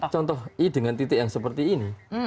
contoh i dengan titik yang seperti ini